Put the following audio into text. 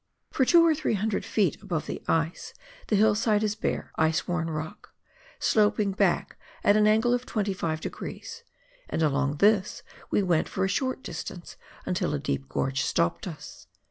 For two or three hundred feet above the ice, the hillside is bare, ice worn rock, sloping back at an angle of 25 degrees, and along this we went for a short distance, until a deep gorge stopped us.